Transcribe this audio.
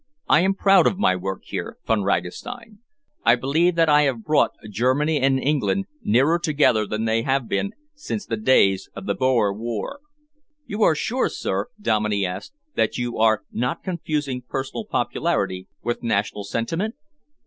I am proud of my work here, Von Ragastein. I believe that I have brought Germany and England nearer together than they have been since the days of the Boer War." "You are sure, sir," Dominey asked, "that you are not confusing personal popularity with national sentiment?"